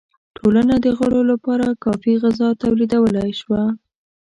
ټولنه د غړو لپاره کافی غذا تولیدولای شوه.